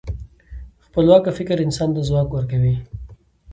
خپلواکه فکر انسان ته ځواک ورکوي.